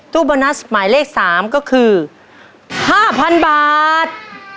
ตู้โบนัสหมายเลข๓ก็คือ๕๐๐๐บาท